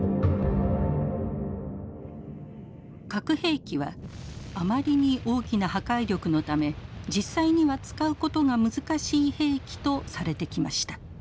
核兵器はあまりに大きな破壊力のため実際には使うことが難しい兵器とされてきました。